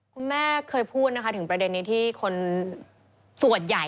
คุณแม่เคยพูดนะคะถึงประเด็นนี้ที่คนส่วนใหญ่